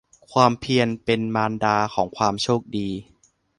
ความเพียรเป็นมารดาของความโชคดี